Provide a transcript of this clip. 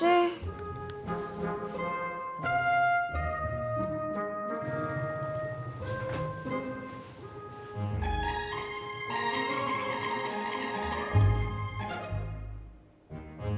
aku mau pergi dulu